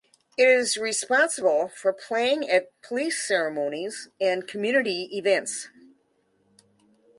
It is responsible for playing at police ceremonies and community events.